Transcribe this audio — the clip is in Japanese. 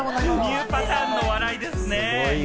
ニューパターンのお笑いですね。